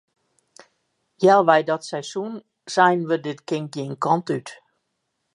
Healwei dat seizoen seinen we dit kin gjin kant út.